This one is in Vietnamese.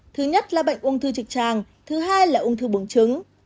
thứ nhất là bệnh ung thư trịch tràng thứ hai là ung thư bùng trứng